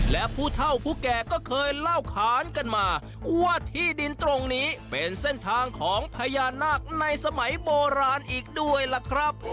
และผู้เท่าผู้แก่ก็เคยเล่าขานกันมาว่าที่ดินตรงนี้เป็นเส้นทางของพญานาคในสมัยโบราณอีกด้วยล่ะครับ